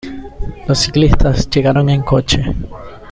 Los ciclistas llegaron en coche.